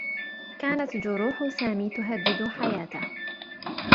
كانت جروح سامي تهدّد حياته.